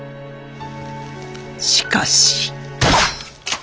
しかし。